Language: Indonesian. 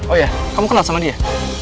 oh ya kamu kenal sama dia